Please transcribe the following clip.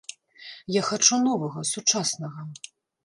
Я хачу новага, сучаснага.